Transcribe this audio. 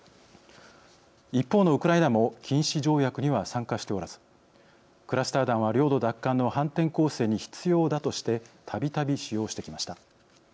一方のウクライナも禁止条約には参加しておらずクラスター弾は領土奪還の反転攻勢に必要だとしてたびたび使用してきました。